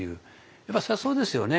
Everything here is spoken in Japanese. やっぱそりゃそうですよね。